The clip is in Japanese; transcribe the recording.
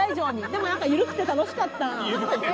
でも、何か緩くて楽しかった。